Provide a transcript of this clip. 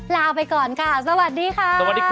ลาไปก่อนค่ะสวัสดีค่ะ